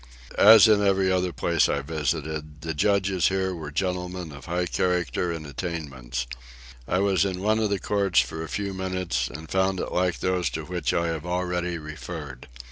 As in every other place I visited, the judges here were gentlemen of high character and attainments. I was in one of the courts for a few minutes, and found it like those to which I have already referred.